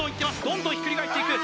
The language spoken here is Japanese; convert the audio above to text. どんどんひっくり返っていく